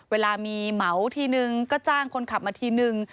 เวลามีเหมาทีนึงก็จ้างคนขับมาทีนึง